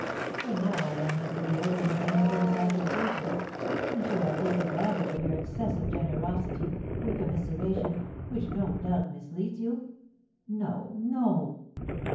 But now I am under the odium of an infamous accusation; and should I take advantage of your excessive generosity, your commiseration, which no doubt misleads you? No, no!"